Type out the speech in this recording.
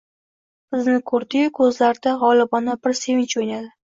Bizni koʻrdi-yu, koʻzlarida gʻolibona bir sevinch oʻynadi: